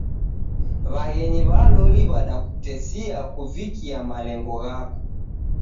W'aghenyi wa loli w'adakutesia kuvikia malengo ghako.